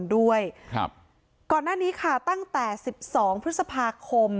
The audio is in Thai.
ด้วยครับก่อนหน้านี้ค่ะตั้งแต่สิบสองพฤษภาคม